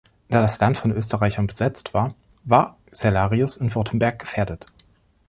Da das Land von Österreichern besetzt war, war Cellarius in Württemberg gefährdet.